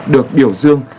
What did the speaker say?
được biểu dương